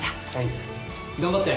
頑張って！